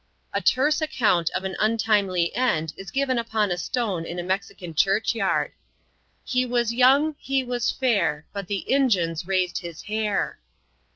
A terse account of an untimely end is given upon a stone in a Mexican church yard: "He was young, he was fair But the Injuns raised his hair."